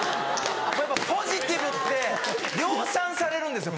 やっぱポジティブって量産されるんですよ